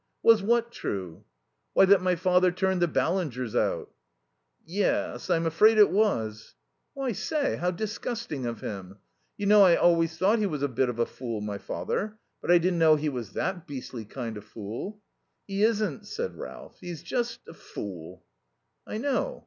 "Was what true?" "Why, that my father turned the Ballingers out?" "Yes; I'm afraid it was." "I say, how disgusting of him. You know I always thought he was a bit of a fool, my father; but I didn't know he was that beastly kind of fool." "He isn't," said Ralph. "He's just a fool." "I know.